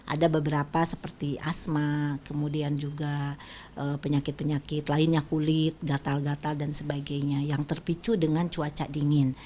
ada beberapa seperti asma kemudian juga penyakit penyakit lainnya kulit gatal gatal dan sebagainya yang terpicu dengan cuaca dingin